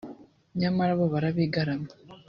nyamara bo barabigarama